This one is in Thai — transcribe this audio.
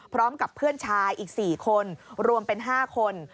พร้อมกับเพื่อนชายอีก๔คนรวมเป็น๕คน